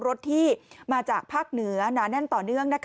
รถที่มาจากภาคเหนือหนาแน่นต่อเนื่อง